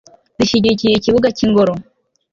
zishyigikiye ikibuga cy'ingoro